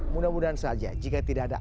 mudah mudahan saja jika tidak ada